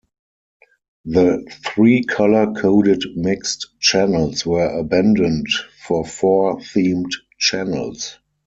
The three colour-coded mixed channels were abandoned for four themed channels.